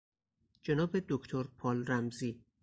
جناب دکتر پال رمزی